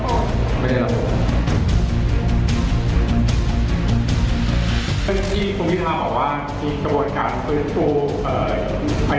ครับไม่ว่าจะต้องพูดกันให้ฉันนะไม่ว่าจะเป็นการพยายามจะฟื้นพื้นชีพมา